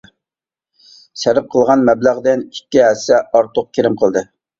سەرپ قىلغان مەبلەغدىن ئىككى ھەسسە ئارتۇق كىرىم قىلدى.